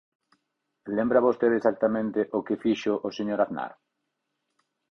¿Lembra vostede exactamente o que fixo o señor Aznar?